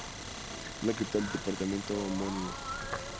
Es la capital del departamento homónimo.